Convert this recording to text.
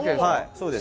そうです。